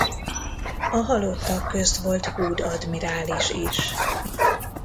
A halottak közt volt Hood admirális is.